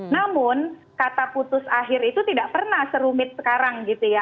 namun kata putus akhir itu tidak pernah serumit sekarang gitu ya